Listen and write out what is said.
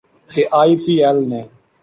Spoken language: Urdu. کہ آئی پی ایل نے